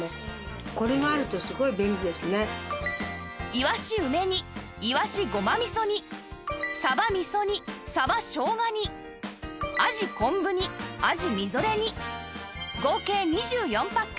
いわし梅煮いわしごま味噌煮さば味噌煮さば生姜煮あじ昆布煮あじみぞれ煮合計２４パック